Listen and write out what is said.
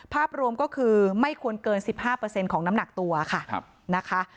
ภาพรวมก็คือไม่ควรเกิน๑๕ของน้ำหนักตัวค่ะนะคะ